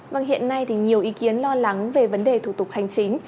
vâng hiện nay thì nhiều ý kiến lo lắng về vấn đề thủ tục hành chính